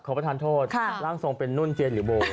ประธานโทษร่างทรงเป็นนุ่นเจียนหรือโบ